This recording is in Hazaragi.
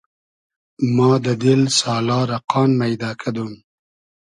ما دۂ دیل سالا رۂ قان مݷدۂ کیدۉم